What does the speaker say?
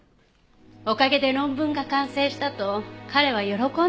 おかげで論文が完成したと彼は喜んでいました。